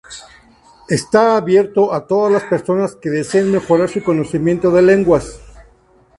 Está abierto a todas las personas que deseen mejorar su conocimiento de lenguas.